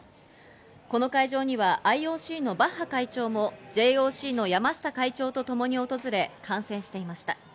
この会場にはＩＯＣのバッハ会長も、ＪＯＣの山下会長とともに訪れ、観戦していました。